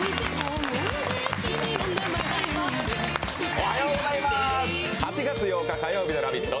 おはようございます、８月８日火曜日の「ラヴィット！」